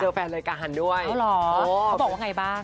เจอแฟนรายการด้วยเขาบอกว่าไงบ้าง